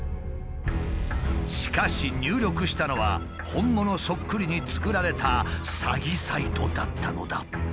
しかし入力したのは本物そっくりに作られた詐欺サイトだったのだ。